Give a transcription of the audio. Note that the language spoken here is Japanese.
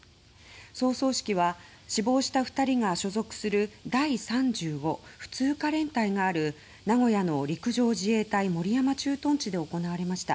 葬送式は死亡した２人が所属する第３５普通科連隊がある名古屋の陸上自衛隊守山駐屯地で行われました。